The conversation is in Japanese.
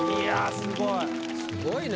すごいね。